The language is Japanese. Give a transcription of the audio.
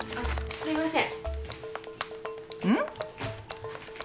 すいません。